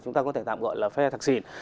chúng ta có thể tạm gọi là phe thạc xỉn